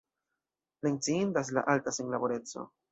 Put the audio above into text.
Menciindas la alta senlaboreco.